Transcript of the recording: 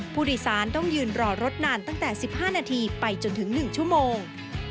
ผู้โดยสารต้องยืนรอรถนานตั้งแต่๑๕นาทีไปจนถึง๑ชั่วโมง